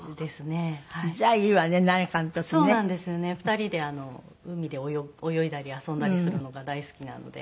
２人で海で泳いだり遊んだりするのが大好きなので。